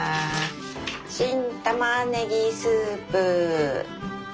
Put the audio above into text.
新玉ねぎスープ。